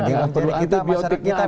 dengan diri kita masyarakat kita bisa